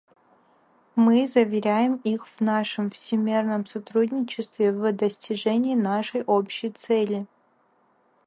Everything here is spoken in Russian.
Мы заверяем их в нашем всемерном сотрудничестве в достижении нашей общей цели.